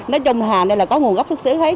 nói chung hàng đây là có nguồn gốc xuất xứ hết